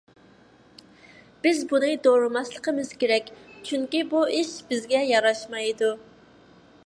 بىز بۇنى دورىماسلىقىمىز كېرەك، چۈنكى بۇ ئىش بىزگە ياراشمايدۇ.